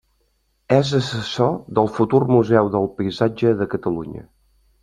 És assessor del futur Museu del Paisatge de Catalunya.